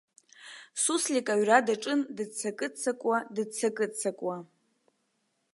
Суслик аҩра даҿын дыццакы-ццакуа, дыццакыццакуа.